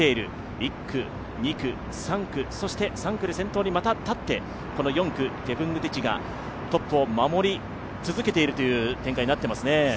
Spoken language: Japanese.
１区、２区、３区で先頭に立ってこの４区、ジェプングティチがトップを護り続けているという展開になっていますね。